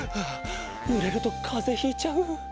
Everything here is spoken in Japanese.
ぬれるとかぜひいちゃう。